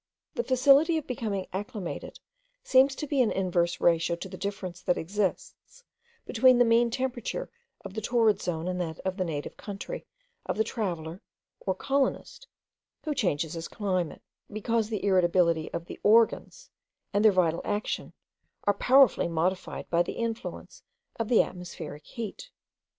The facility of becoming acclimated, seems to be in the inverse ratio of the difference that exists between the mean temperature of the torrid zone, and that of the native country of the traveller, or colonist, who changes his climate; because the irritability of the organs, and their vital action, are powerfully modified by the influence of the atmospheric heat.